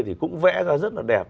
thì cũng vẽ ra rất là đẹp